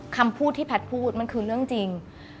คำพูดที่แพทย์พูดมันคือเรื่องจริง